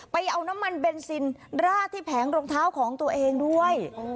เอาน้ำมันเบนซินราดที่แผงรองเท้าของตัวเองด้วย